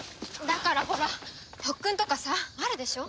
だからほら特訓とかさあるでしょ？